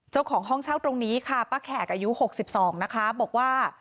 เจ้าของห้องเช่าตรงนี้ค่ะป้าแขกอายุ๖๒นะคะบอกว่า